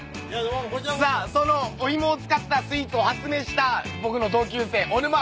さあそのお芋を使ったスイーツを発明した僕の同級生小沼広太君です。